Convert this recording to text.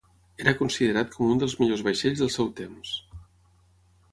Era considerat com un dels millors vaixells del seu temps.